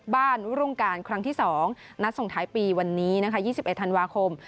บ้านวุฒงการณ์ครั้งที่๒นัดส่งท้ายปีวันนี้๒๑ธันวาคม